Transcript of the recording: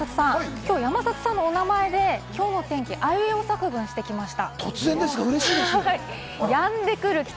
今日、山里さんのお名前で今日の天気、あいうえお作文してきました。